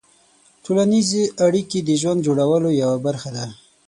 ټولنیز اړیکې د ژوند د جوړولو یوه برخه ده.